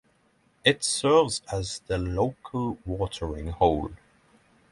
It serves as the local watering hole.